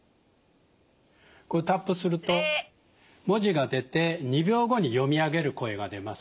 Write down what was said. こうタップすると文字が出て２秒後に読み上げる声が出ます。